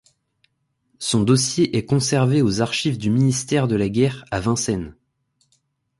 Son dossier est conservé aux archives du ministère de la Guerre à Vincennes.